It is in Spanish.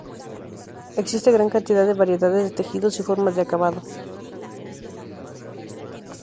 Existe gran cantidad de variedades de tejidos y formas de acabado.